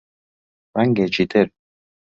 ڕەنگێکی تر